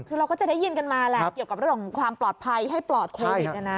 คือเราก็จะได้ยินกันมาแหละเกี่ยวกับเรื่องของความปลอดภัยให้ปลอดโควิด